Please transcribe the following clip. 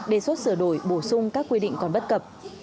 đề xuất sửa đổi bổ sung các quy định còn bất cập